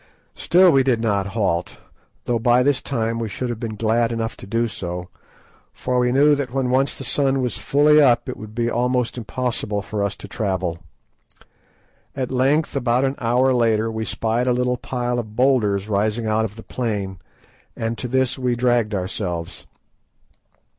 Still we did not halt, though by this time we should have been glad enough to do so, for we knew that when once the sun was fully up it would be almost impossible for us to travel. At length, about an hour later, we spied a little pile of boulders rising out of the plain, and to this we dragged ourselves.